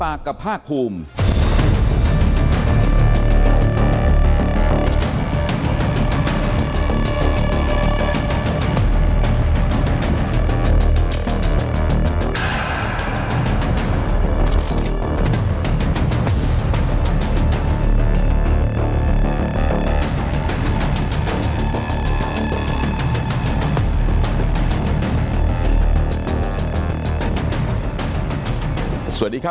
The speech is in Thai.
ไม่รู้ว่าท่านเป็นอย่างไรกันบ้างเดินทางไปท่องเที่ยวไปชะหรอกสงคราน